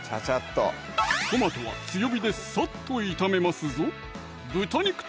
トマトは強火でさっと炒めますぞ